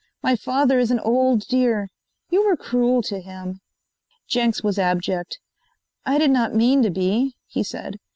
My father is an old dear. You were cruel to him." Jenks was abject. "I did not mean to be," he said.